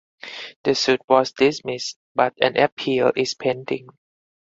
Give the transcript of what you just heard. The suit was dismissed but an appeal is pending.